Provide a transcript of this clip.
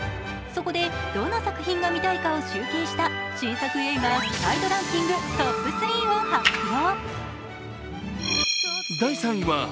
そこでどの映画を見たいかを集計した、新作映画期待度ランキングトップ３を発表。